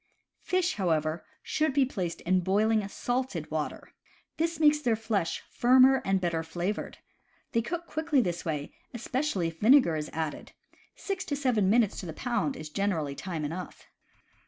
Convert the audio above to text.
Fish, however, should be placed in boiling salted water. This makes their flesh firmer and better flavored. They cook quickly this way, especially if vinegar is added; six to seven minutes to the pound is generally time enough.